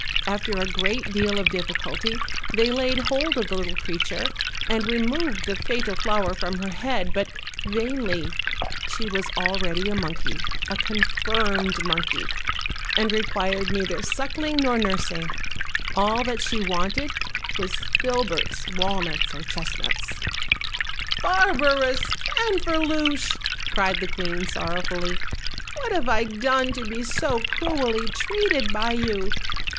After a great deal of diffi culty they laid hold of the little creature, and removed the fatal flower from her head; but vainly: she was already a monkey, a confirmed monkey, and required neither suck ling nor nursing; all that she wanted was filberts, walnuts, or chestnuts. "Barbarous Fanferluche," cried the queen sorrow fully, "what have I done to be so cruelly treated by you?